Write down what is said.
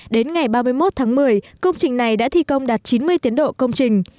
đến ngày ba mươi một tháng một mươi công trình này đã thi công đạt chín mươi tiến độ công trình